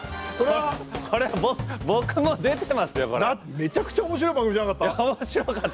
めちゃくちゃ面白い番組じゃなかった？